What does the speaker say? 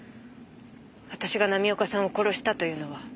私が浪岡さんを殺したというのは。